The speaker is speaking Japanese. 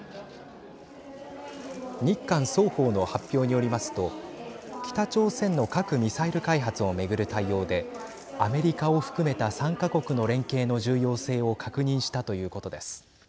日韓双方の発表によりますと北朝鮮の核・ミサイル開発を巡る対応でアメリカを含めた３か国の連携の重要性を確認したということです。